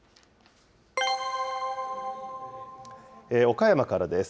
岡山からです。